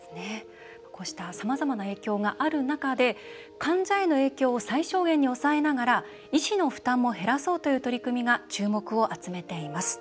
こうしたさまざまな影響がある中で患者への影響を最小限に抑えながら医師の負担も減らそうという取り組みが注目を集めています。